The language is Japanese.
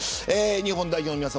日本代表の皆さん